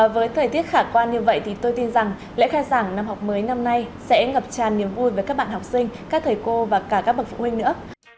với thời tiết khả quan như vậy thì tôi tin rằng lễ khai giảng năm học mới năm nay sẽ ngập tràn niềm vui với các bạn học sinh các thầy cô và cả các bậc phụ huynh nữa